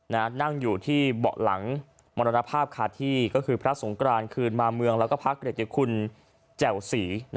นั่งอยู่ที่เบาะหลังมรณภาพคาที่ก็คือพระสงกรานคืนมาเมืองแล้วก็พระเกรติคุณแจ่วศรี